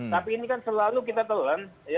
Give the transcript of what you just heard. tapi ini kan selalu kita telan